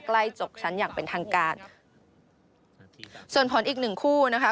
ใกล้จบชั้นอย่างเป็นทางการส่วนผลอีกหนึ่งคู่นะคะ